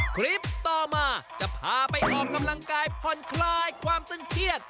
คลิปต่อมาจะพาไปออกกำลังกายผ่อนคลายความตึงเครียด